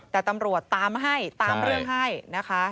แต่ตำรวจตามให้ตามเรื่องให้นะคะ